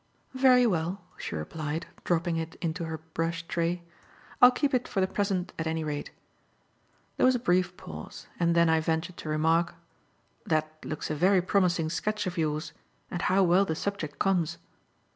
"Very well," she replied, dropping it into her brush tray, "I'll keep it for the present at any rate." There was a brief pause, and then I ventured to remark, "That looks a very promising sketch of yours. And how well the subject comes."